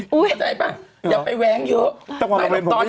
เข้าใจป่ะอย่าไปแว้งเยอะ